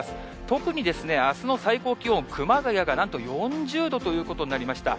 特にあすの最高気温、熊谷がなんと４０度ということになりました。